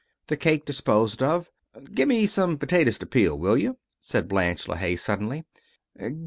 The cake disposed of "Give me some potatoes to peel, will you?" said Blanche LeHaye, suddenly.